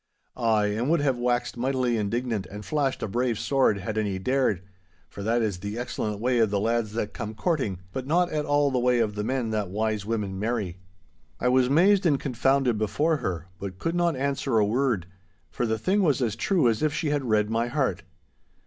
Ay, and would have waxed mightily indignant and flashed a brave sword had any dared, for that is the excellent way of the lads that come courting—but not at all the way of the men that wise women marry.' I was mazed and confounded before her, but could not answer a word, for the thing was as true as if she had read my heart.